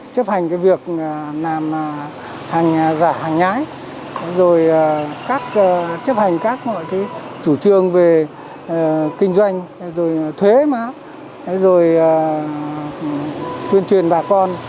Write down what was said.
chấp hành việc làm hành giả hành nhái chấp hành các chủ trương về kinh doanh thuế tuyên truyền bà con